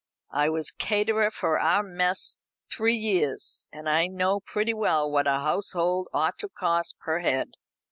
I was caterer for our mess three years, and I know pretty well what a household ought to cost per head."